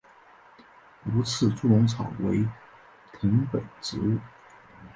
无刺猪笼草为藤本植物。